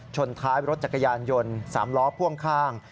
ชนท้ายรถจักรยานยนต์๓ล้อพ่วงข้าง